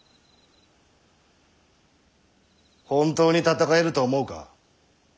本当に戦えると思うか？